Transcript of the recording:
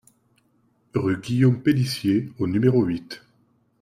Rue Guillaume Pellicier au numéro huit